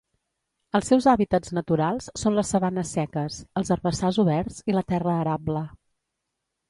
Els seus hàbitats naturals són les sabanes seques, els herbassars oberts i la terra arable.